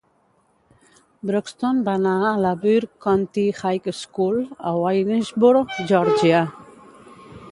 Broxton va anar a la Burke County High School a Waynesboro, Georgia.